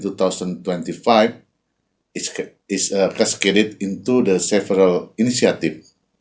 terpengaruh di beberapa inisiatif